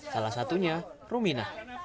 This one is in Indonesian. salah satunya rumina